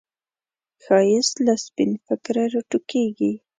ښایست له سپین فکره راټوکېږي